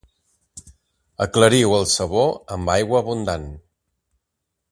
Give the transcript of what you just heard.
Aclariu el sabó amb aigua abundant.